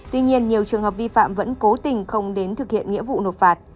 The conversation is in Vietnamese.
tuy nhiên nhiều trường hợp vi phạm vẫn cố tình không đến thực hiện nghĩa vụ nộp phạt